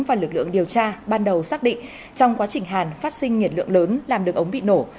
và lực lượng điều tra ban đầu xác định trong quá trình hàn phát sinh nhiệt lượng lớn làm đường ống bị nổ